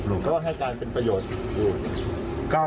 เขาก็ให้การเป็นประโยชน์